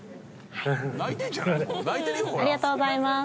ありがとうございます。